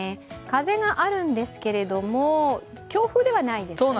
風があるんですけれども強風ではないですね。